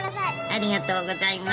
ありがとうございます。